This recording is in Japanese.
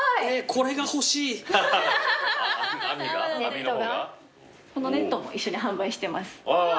このネットも一緒に販売してます。